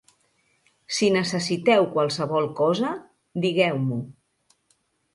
Si necessiteu qualsevol cosa, digueu-m'ho